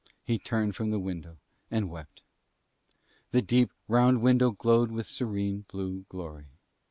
He turned from the window and wept. The deep round window glowed with serene blue glory.